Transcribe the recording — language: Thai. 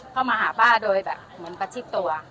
เข้ามาหาป้าโดยแบบเหมือนประชิดตัว